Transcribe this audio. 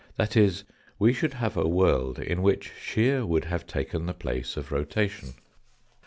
That is, we should have a world in which shear would have taken the place of rotation.